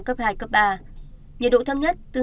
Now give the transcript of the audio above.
cấp hai cấp ba nhiệt độ thấp nhất